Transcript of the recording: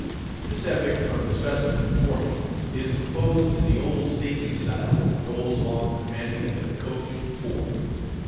This epic, from the specimen before me, is composed in the old stately style, and rolls along commanding as a coach and four.